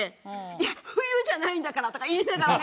「いや冬じゃないんだから！」とか言いながらね。